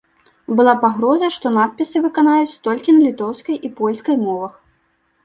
Была пагроза, што надпісы выканаюць толькі на літоўскай і польскай мовах.